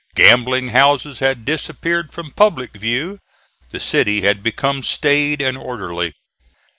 Gambling houses had disappeared from public view. The city had become staid and orderly.